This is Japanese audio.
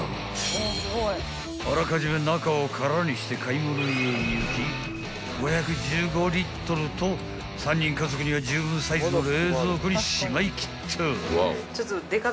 ［あらかじめ中を空にして買い物へ行き５１５リットルと３人家族にはじゅうぶんサイズの冷蔵庫にしまいきった］